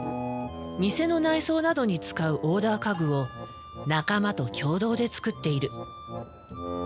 店の内装などに使うオーダー家具を仲間と共同で作っている。